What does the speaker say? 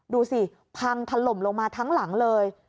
ดูสิพังถล่มลงมาทั้งหลังเลย